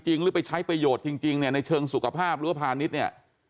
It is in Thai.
หรือไปใช้ประโยชน์จริงเนี่ยในเชิงสุขภาพหรือว่าพาณิชย์เนี่ย